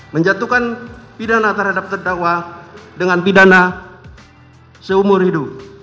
menjatuhkan pidana terhadap terdakwa dengan pidana seumur hidup